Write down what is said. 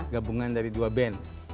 gabungan dari dua ben